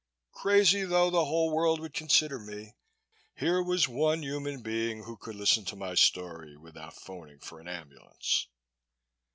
Crazy though the whole world would consider me, here was one human being who could listen to my story without phoning for an ambulance.